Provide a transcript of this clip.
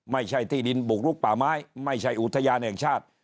ไม่ใช่ที่ดินบุกลุกป่าไม้ไม่ใช่อุทยานแห่งชาติ